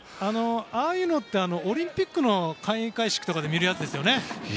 ああいうのってオリンピックの開会式とかで見るやつですよね。